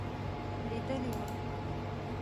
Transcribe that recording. لیدلي ول.